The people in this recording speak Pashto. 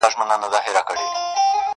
د رڼا لمن خپره سي بیا تیاره سي!